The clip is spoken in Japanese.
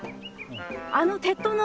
あの鉄塔の。